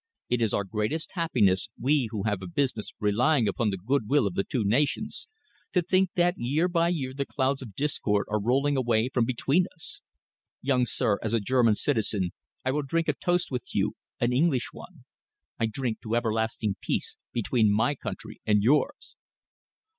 It is our greatest happiness, we who have a business relying upon the good will of the two nations, to think that year by year the clouds of discord are rolling away from between us. Young sir, as a German citizen, I will drink a toast with you, an English one. I drink to everlasting peace between my country and yours!"